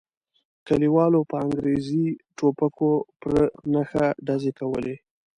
کلیوالو په انګریزي ټوپکو پر نښه ډزې کولې.